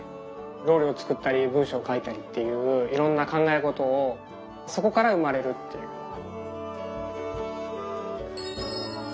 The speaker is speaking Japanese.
料理を作ったり文章を書いたりっていういろんな考えごとをそこから生まれるっていうのが。